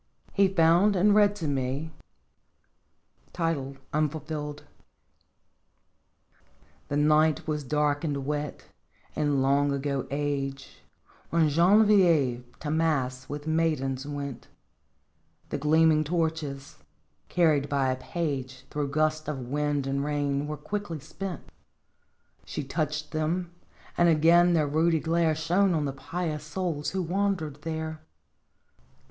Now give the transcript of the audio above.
He found and read to me :" UNFULFILLED. " The night was dark and wet, in long gone age, When Genevieve to mass with maidens went ; The gleaming torches, carried by a page Through gustvwind and rain, were quickly spent; She touched them, and again their ruddy glare Shone on the pious souls who wandered there.